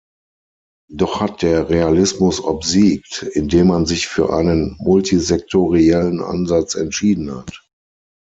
Doch hat der Realismus obsiegt, indem man sich für einen multisektoriellen Ansatz entschieden hat.